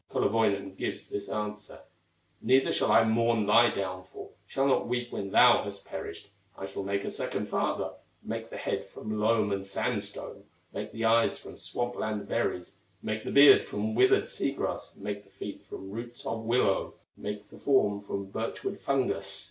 Kullerwoinen gives this answer: "Neither shall I mourn thy downfall, Shall not weep when thou hast perished; I shall make a second father, Make the head from loam and sandstone, Make the eyes from swamp land berries, Make the beard from withered sea grass, Make the feet from roots of willow, Make the form from birch wood fungus."